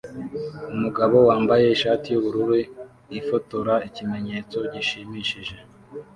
Umugabo wambaye ishati yubururu ifotora ikimenyetso gishimisije